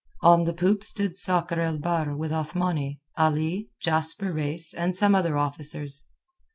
On the poop stood Sakr el Bahr with Othmani, Ali, Jasper Reis, and some other officers.